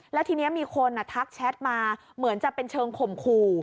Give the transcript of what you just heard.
แล้วทีนี้มีคนทักแชทมาเหมือนจะเป็นเชิงข่มขู่